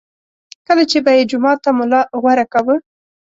کله چې به یې جومات ته ملا غوره کاوه.